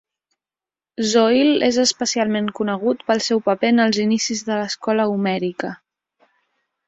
Zoil és especialment conegut pel seu paper en els inicis de l'escola homèrica.